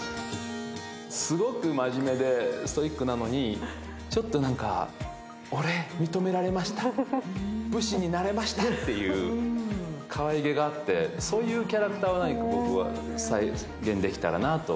すごく真面目でストイックなのにちょっと俺、認められました武士になれましたっていうかわいげがあって、そういうキャラクターを僕は再現できたらなと。